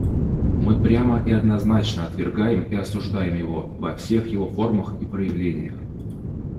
Мы прямо и однозначно отвергаем и осуждаем его во всех его формах и проявлениях.